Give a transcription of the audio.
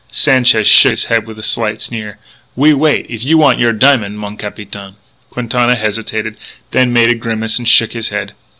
Sanchez shook his head with a slight sneer: "We wait if you want your diamond, mon capitaine." Quintana hesitated, then made a grimace and shook his head.